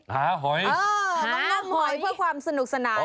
หาหอยเออห้องนมหอยเพื่อความสนุกสนาน